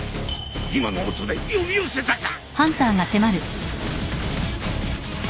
今の音で呼び寄せたか。